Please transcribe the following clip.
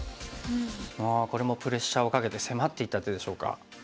ああこれもプレッシャーをかけて迫っていった手でしょうか。